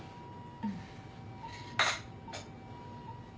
うん。